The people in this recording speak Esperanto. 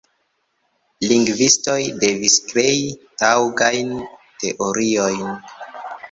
Lingvistoj devis krei taŭgajn teoriojn.